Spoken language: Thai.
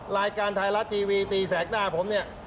รายการไทยรัฐทีวีตีแสกหน้าผมเนี่ย